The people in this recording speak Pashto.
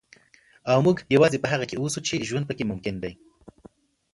او موږ یوازې په هغه کې اوسو چې ژوند پکې ممکن دی.